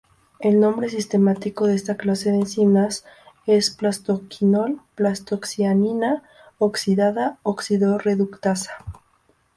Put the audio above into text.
El nombre sistemático de esta clase de enzimas es plastoquinol:plastocianina-oxidada oxidorreductasa.